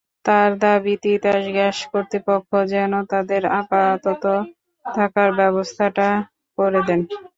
তাঁর দাবি, তিতাস গ্যাস কর্তৃপক্ষ যেন তাঁদের আপাতত থাকার ব্যবস্থাটা করে দেন।